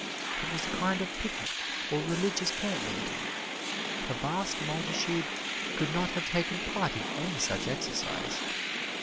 It was a kind of picnic or religious campmeeting. A vast multitude could not have taken part in any such exercise.